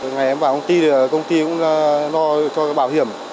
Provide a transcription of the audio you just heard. ngày em vào công ty thì công ty cũng lo cho bảo hiểm